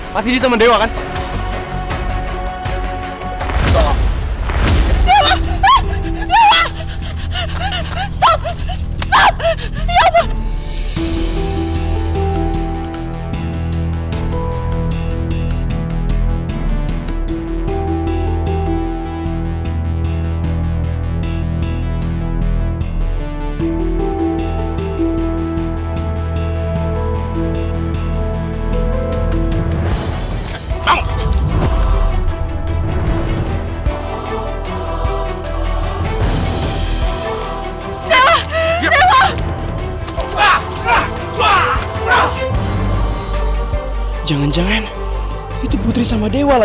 gimana keadaan putri maik